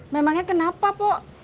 memangnya kenapa pok